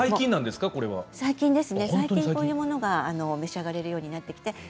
最近こういうものを召し上がれるようになりました。